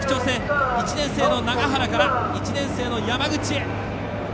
１年生の永原から１年生の山口へ。